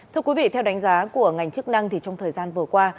thưa quý vị theo đánh giá của ngành chức năng thì trong thời gian vừa qua